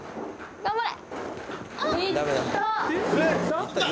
頑張れ！